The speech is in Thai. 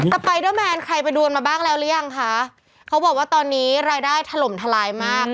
ไปเดอร์แมนใครไปดวนมาบ้างแล้วหรือยังคะเขาบอกว่าตอนนี้รายได้ถล่มทลายมาก